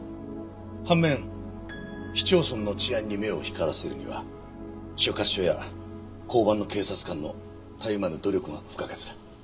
反面市町村の治安に目を光らせるには所轄署や交番の警察官のたゆまぬ努力が不可欠だ。